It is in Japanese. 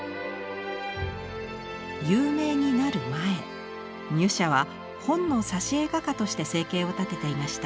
有名になる前ミュシャは本の挿絵画家として生計を立てていました。